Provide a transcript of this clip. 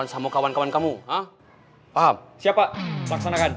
aduh gue bagel kaos dulu ya nat